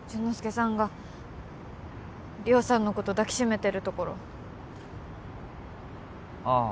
之介さんが理緒さんのこと抱きしめてるところあ